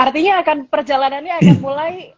artinya akan perjalanannya akan mulai